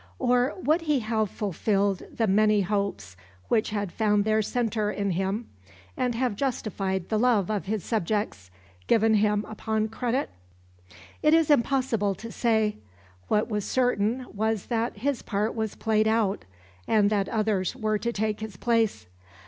Or would he have fulfilled the many hopes which had found their centre in him and have justified the love of his subjects, given him upon credit? It is impossible to say. What was certain was that his part was played out, and that others were to take his place.